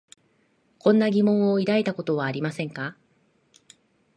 こんな疑問を抱いたことはありませんか？